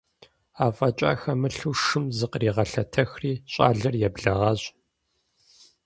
АфӀэкӀа хэмылъу шым зыкъригъэлъэтэхри, щӀалэр еблэгъащ.